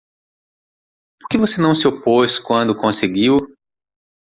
Por que você não se opôs quando conseguiu?